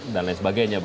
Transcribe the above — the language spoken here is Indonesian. dan lain sebagainya